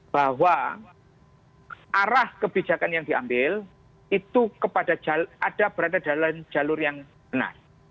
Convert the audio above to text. bahwa arah kebijakan yang diambil itu ada berada dalam jalur yang benar